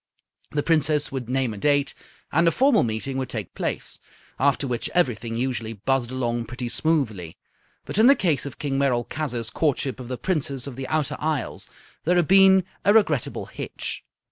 The Princess would name a date, and a formal meeting would take place; after which everything usually buzzed along pretty smoothly. But in the case of King Merolchazzar's courtship of the Princess of the Outer Isles there had been a regrettable hitch.